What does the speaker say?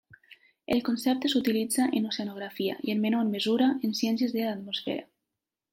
El concepte s'utilitza en oceanografia i, en menor mesura, en ciències de l'atmosfera.